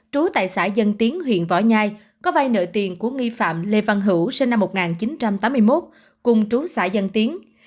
trú tại xã dân tiến huyện võ nhai có vai nợ tiền của nghi phạm lê văn hữu sinh năm một nghìn chín trăm tám mươi một cùng trú xã dân tiến